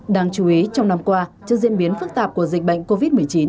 đáng chú ý trong năm qua trước diễn biến phức tạp của dịch bệnh covid một mươi chín